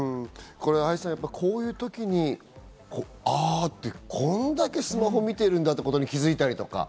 愛さん、こういう時にあ、これだけスマホ見てるんだってことに気づいたり。